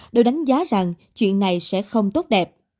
đều đánh giá rằng chuyện này sẽ không tốt đẹp